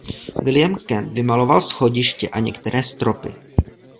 William Kent vymaloval schodiště a některé stropy.